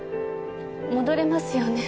戻れますよね？